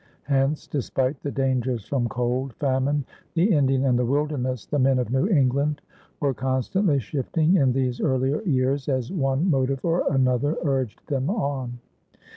Hence, despite the dangers from cold, famine, the Indian, and the wilderness, the men of New England were constantly shifting in these earlier years as one motive or another urged them on.